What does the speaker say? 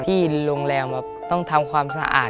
ที่โรงแรมแบบต้องทำความสะอาด